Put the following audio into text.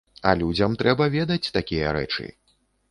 А людзям трэба ведаць такія рэчы.